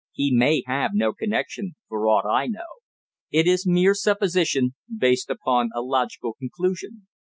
He may have no connection, for aught I know. It is mere supposition, based upon a logical conclusion."